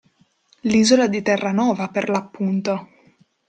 L'isola di Terranova per l'appunto.